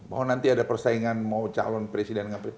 mau nanti ada persaingan mau calon presiden